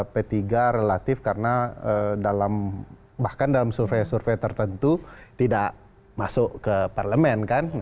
p tiga relatif karena dalam bahkan dalam survei survei tertentu tidak masuk ke parlemen kan